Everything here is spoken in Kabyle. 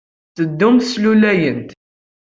Teddunt slulayent.